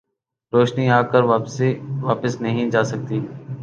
روشنی آکر واپس نہیں جاسکتی